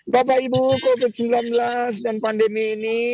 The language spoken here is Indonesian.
bapak ibu covid sembilan belas dan pandemi ini